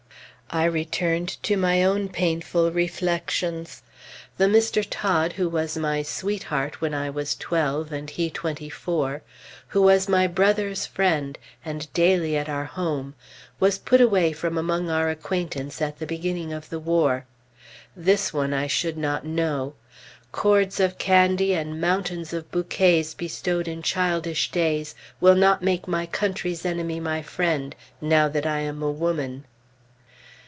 I returned to my own painful reflections. The Mr. Todd who was my "sweetheart" when I was twelve and he twenty four, who was my brother's friend, and daily at our home, was put away from among our acquaintance at the beginning of the war. This one, I should not know. Cords of candy and mountains of bouquets bestowed in childish days will not make my country's enemy my friend now that I am a woman.